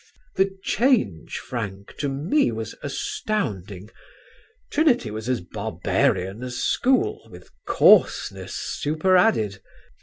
The change, Frank, to me was astounding; Trinity was as barbarian as school, with coarseness superadded.